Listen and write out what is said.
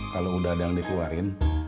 kalau udah ada yang dikeluarin